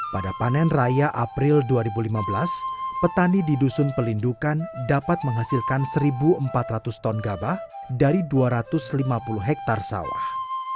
pada panen raya april dua ribu lima belas petani di dusun pelindungan dapat menghasilkan satu empat ratus ton gabah dari dua ratus lima puluh hektare sawah